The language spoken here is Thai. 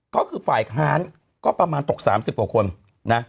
ก็คือฝ่ายค้านก็ประมาณตก๓๐กว่าคนนะ